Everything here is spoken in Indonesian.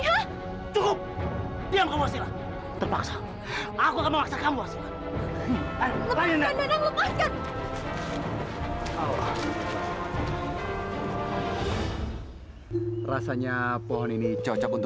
kamu mengganggu calon istriku